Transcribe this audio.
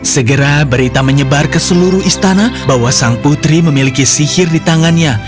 segera berita menyebar ke seluruh istana bahwa sang putri memiliki sihir di tangannya